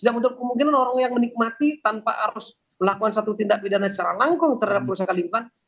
tidak untuk kemungkinan orang yang menikmati tanpa harus melakukan satu tindak pidana secara langsung terhadap perusahaan lingkungan